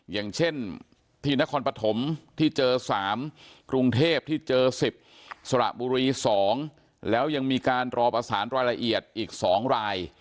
อย่างเช่นที่นครปฐมที่เจอ๓กรุงเทพที่เจอ๑๐สระบุรี๒แล้วยังมีการรอประสานรายละเอียดอีก๒ราย